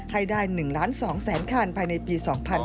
ให้ได้๑ล้าน๒แสนคันภายในปี๒๕๕๙